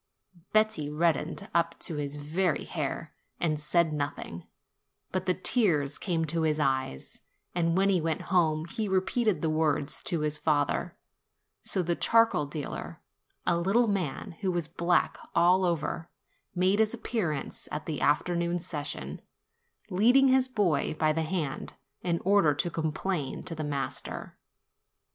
Betti reddened up to his very hair, and said nothing, but the tears came to his eyes ; and when he went home, he repeated the words to his father; so the charcoal dealer, a little man, who was black all over, made his appearance at the afternoon session, leading his boy by the hand, in order to com plain to the master.